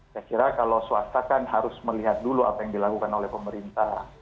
saya kira kalau swasta kan harus melihat dulu apa yang dilakukan oleh pemerintah